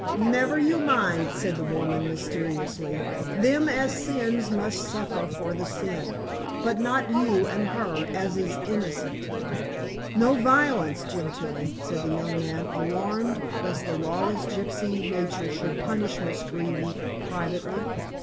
"Never you mind," said the woman mysteriously. "Them as sins must suffer for the sin. But not you and her as is innocent." "No violence, Gentilla," said the young man, alarmed less the lawless gypsy nature should punish Miss Greeby privately.